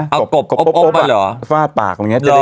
เฮ้อ้อยกบปุ๊บปุ๊บอ่ะเหรอ